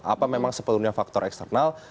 apa memang sebelumnya faktor eksternal